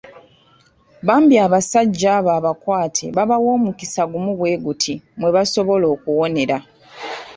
Bambi abasajja abo abakwate baabawa omukisa gumu bwe guti mwe basobola okuwonera.